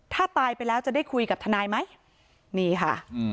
ถ้าตายไปแล้วจะได้คุยกับทนายไหมนี่ค่ะ